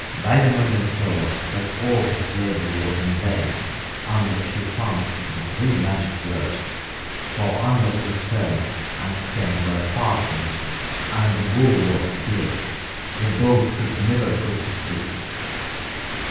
Wainamoinen saw that all his labour was in vain unless he found the three magic words, for unless the stern and stem were fastened and the bulwarks built, the boat could never put to sea.